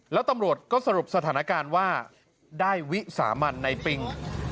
แล้วตำรวจก็สรุปสถานการณ์ว่าได้วิสามันในปิง